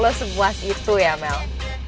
lo sepuas itu ya mel